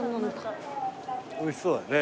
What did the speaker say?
おいしそうだね。